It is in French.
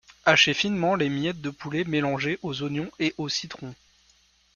Hacher finement les miettes de poulet mélangées aux oignons et au citron.